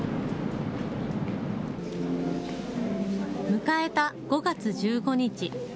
迎えた５月１５日。